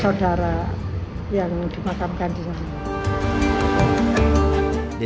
saudara yang dimakamkan di sana